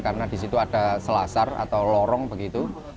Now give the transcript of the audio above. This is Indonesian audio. karena di situ ada selasar atau lorong begitu